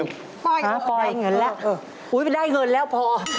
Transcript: บอกไปโอ๊ยไม่ได้เงินแล้วโอ๊ยไม่ได้เงินแล้วพอ